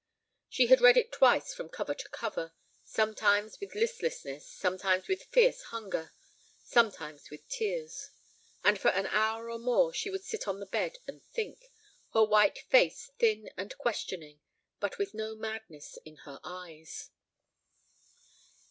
She had read it twice from cover to cover, sometimes with listlessness, sometimes with fierce hunger, sometimes with tears. And for an hour or more she would sit on the bed and think, her white face thin and questioning, but with no madness in her eyes.